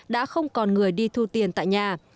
đã không còn người đi thu tiền tại nhà